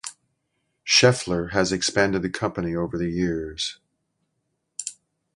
Schaeffler has expanded the company over the years.